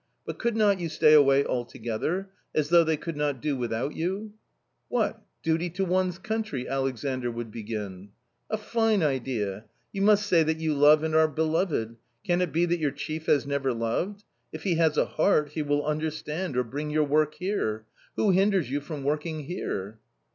But could not you stay away altogether. As though they could not do without you !" "What? duty to one's country," Alexandr would begin. " A fine idea ! Vou must say that you love and are beloved./ Can it be that your chief has never loved ? If he has a heart, he will understand or bring your work here ; who hinders you from working here